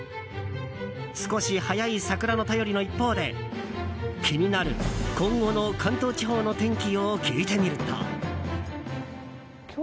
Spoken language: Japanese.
少し早い桜の便りの一方で気になる今後の関東地方の天気を聞いてみると。